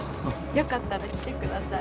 良かったら来てください。